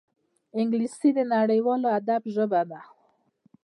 انګلیسي د نړیوال ادب ژبه ده